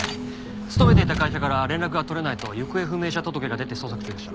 勤めていた会社から連絡がとれないと行方不明者届が出て捜索中でした。